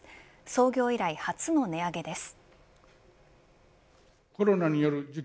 創業以来、初の値上げです。